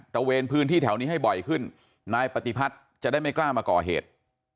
ระเวนพื้นที่แถวนี้ให้บ่อยขึ้นนายปฏิพัฒน์จะได้ไม่กล้ามาก่อเหตุ